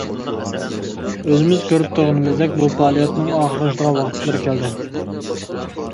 ئۆزىمىز كۆرۈپ تۇرغىنىمىزدەك بۇ پائالىيەتنىڭ ئاخىرلىشىدىغان ۋاقىتلىرى كەلدى.